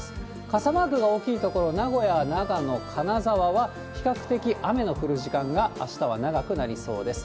傘マークが多い所、名古屋、長野、金沢は、比較的雨の降る時間があしたは長くなりそうです。